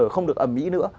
không được ẩm ý nữa